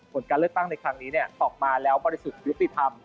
ผลการเลือกตั้งในครั้งนี้ออกมาแล้วบริสุทธิ์ยุติธรรม